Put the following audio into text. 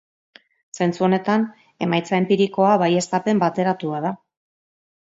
Zentzu honetan, emaitza enpirikoa baieztapen bateratu bat da.